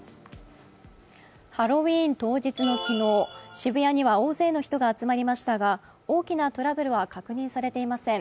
ハロウィーン当日の昨日、渋谷には大勢の若者が集まりましたが大きなトラブルは確認されていません。